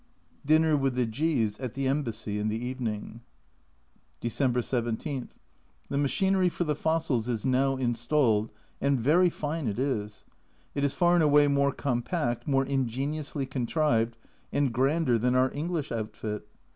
Dinner with the G s at the Embassy in the evening. December 17. The machinery for the fossils is now installed and very fine it is. It is far and away more compact, more ingeniously contrived, and grander than our English outfit.